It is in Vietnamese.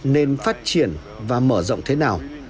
nên phát triển và mở rộng thế nào